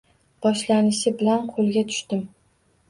Boshlanishi bilan qo`lga tushdim